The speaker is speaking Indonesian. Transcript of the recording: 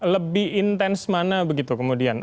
lebih intens mana begitu kemudian